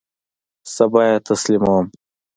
سبا یی تسلیموم